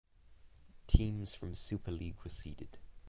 Teams from Super League were seeded.